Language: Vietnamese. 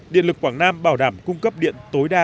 điện lực quảng nam bảo đảm cung cấp điện tối đa